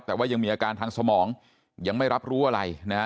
แต่ว่ายังมีอาการทางสมองยังไม่รับรู้อะไรนะฮะ